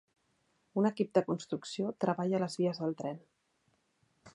Un equip de construcció treballa a les vies del tren.